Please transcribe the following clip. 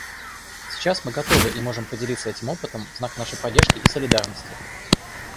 Сейчас мы готовы и можем поделиться этим опытом в знак нашей поддержки и солидарности.